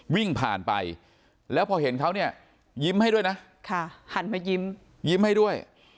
วิ่งผ่านไปแล้วพอเห็นเขาเนี่ยยิ้มให้ด้วยนะหันมายิ้มยิ้มให้ด้วย